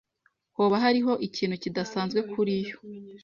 Hoba hariho ikintu kidasanzwe kuri yo?